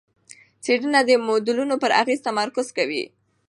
څېړنه د موډلونو پر اغېز تمرکز کوي.